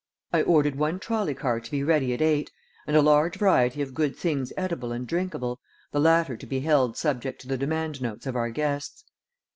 I ordered one trolley car to be ready at eight, and a large variety of good things edible and drinkable, the latter to be held subject to the demand notes of our guests.